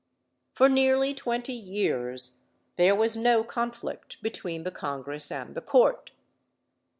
For nearly twenty years there was no conflict between the Congress and the Court.